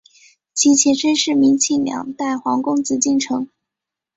其前身是明清两代皇宫紫禁城。